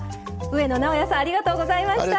上野直哉さんありがとうございました。